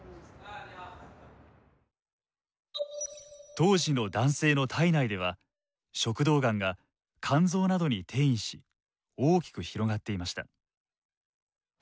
当時の男性の体内では食道がんが肝臓などに転移し大きく広がっていました。